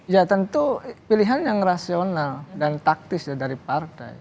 ya tentu pilihan yang rasional dan taktis dari partai